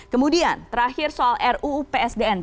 kemudian terakhir soal ruupsdn